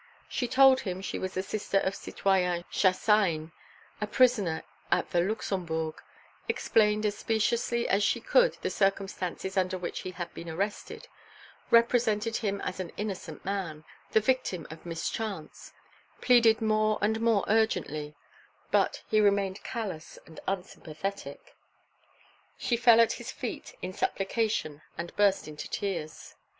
She told him she was the sister of the citoyen Chassagne, a prisoner at the Luxembourg, explained as speciously as she could the circumstances under which he had been arrested, represented him as an innocent man, the victim of mischance, pleaded more and more urgently; but he remained callous and unsympathetic. She fell at his feet in supplication and burst into tears.